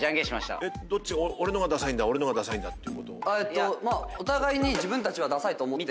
俺の方がダサいんだ俺の方がダサいんだっていうこと？